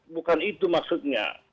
bukan itu maksudnya